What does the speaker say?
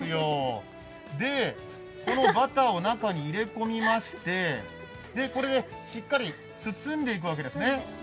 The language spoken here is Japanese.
このバターを中に入れ込みまして、これでしっかり包んでいくわけですね。